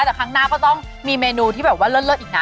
แต่ครั้งหน้าก็ต้องมีเมนูที่แบบว่าเลิศอีกนะ